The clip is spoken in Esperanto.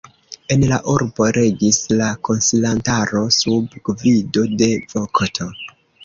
En la urbo regis la konsilantaro sub gvido de vokto.